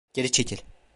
Geri çekil.